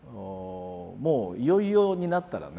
もういよいよになったらね